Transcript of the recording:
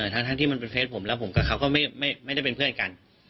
ทั้งที่มันเป็นเฟสผมแล้วผมกับเขาก็ไม่ได้เป็นเพื่อนกัน